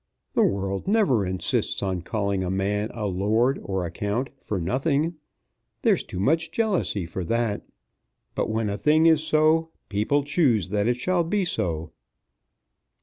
The world never insists on calling a man a Lord or a Count for nothing. There's too much jealousy for that. But when a thing is so, people choose that it shall be so."